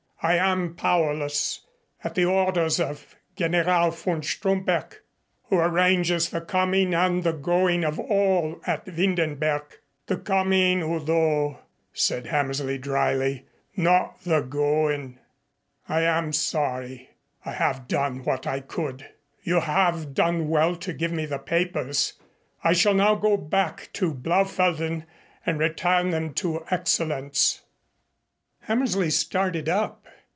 I am powerless at the orders of General von Stromberg, who arranges the coming and the going of all at Windenberg." "The coming, Udo," said Hammersley dryly. "Not the going." "I am sorry, I have done what I could. You have done well to give me the papers. I shall now go back to Blaufelden and return them to Excellenz." Hammersley started up.